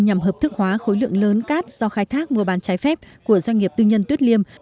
nhằm hợp thức hóa khối lượng lớn cát do khai thác mua bán trái phép của doanh nghiệp tư nhân tuyết liêm